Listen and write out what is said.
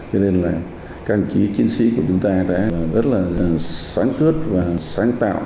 cho nên là các chiến sĩ của chúng ta đã rất là sáng suốt và sáng tạo